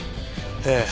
ええ。